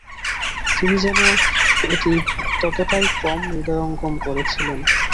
তিনি যেন এটি ততটাই কম হৃদয়ঙ্গম করছিলেন।